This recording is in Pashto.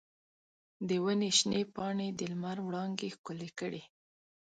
د ونې شنې پاڼې د لمر وړانګې ښکلې کړې.